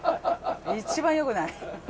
一番よくない。